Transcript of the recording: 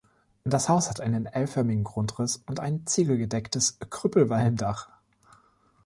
Das Haus hat einen L-förmigen Grundriss und ein ziegelgedecktes Krüppelwalmdach.